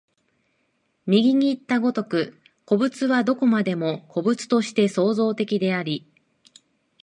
右にいった如く、個物はどこまでも個物として創造的であり、